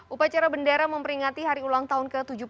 upacara bendera memperingati hari ulang tahun ke tujuh puluh